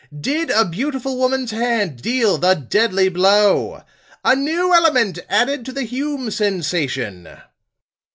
"DID A BEAUTIFUL WOMAN'S HAND DEAL THE DEADLY BLOW? "A New Element Added to the Hume Sensation!"